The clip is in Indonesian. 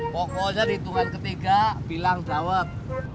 pokoknya di tunggak ketiga bilang jawab